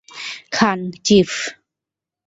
Khan, chief.